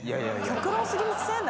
極論すぎません？